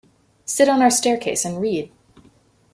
Sit on our staircase and read.